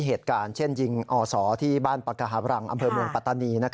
เหตุการณ์เช่นยิงอศที่บ้านปากกาหาบรังอำเภอเมืองปัตตานี